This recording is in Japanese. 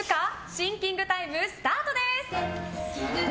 シンキングタイムスタートです！